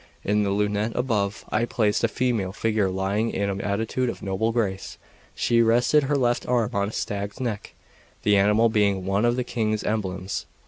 In the lunette above I placed a female figure lying in an attitude of noble grace; she rested her left arm on a stag's neck, this animal being one of the King's emblems.